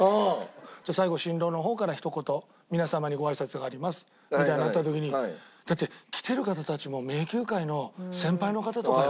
「じゃあ最後新郎の方からひと言皆様にご挨拶があります」みたいになった時にだって来てる方たちも名球会の先輩の方とかよ。